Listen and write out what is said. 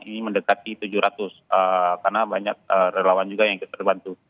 ini mendekati tujuh ratus karena banyak relawan juga yang terbantu